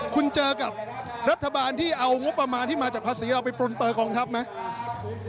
คุณเจอกับรัฐบาลที่เอางบประมาณที่มาจากภาษีเราไปปลุนเปอร์กองทัพไหม